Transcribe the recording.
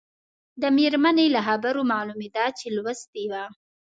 د مېرمنې له خبرو معلومېده چې لوستې وه.